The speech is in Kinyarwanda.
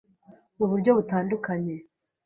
mu buryo butandukanye